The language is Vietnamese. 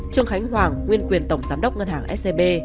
trương khánh hoàng nguyên quyền tổng giám đốc ngân hàng scb